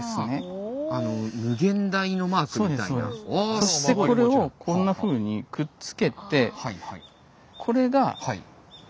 そしてこれをこんなふうにくっつけて。